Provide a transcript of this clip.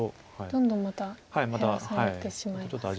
どんどんまた減らされてしまいますか。